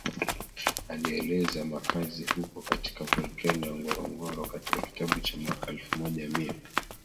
alieleza makazi huko katika volkeno ya Ngorongoro katika kitabu cha mwaka elfu moja mia